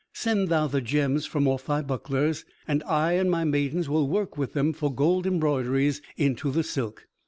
Send thou the gems from off thy bucklers, and I and my maidens will work them with gold embroideries into the silk."